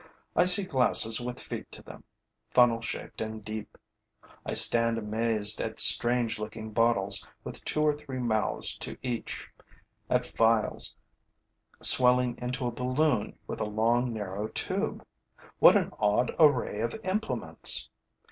I see glasses with feet to them, funnel shaped and deep; I stand amazed at strange looking bottles with two or three mouths to each, at phials swelling into a balloon with a long, narrow tube. What an odd array of implements!